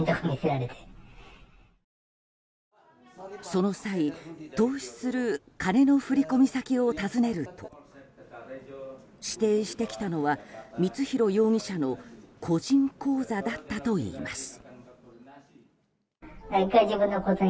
その際、投資する金の振込先を尋ねると指定してきたのは光弘容疑者の個人口座だったといいます。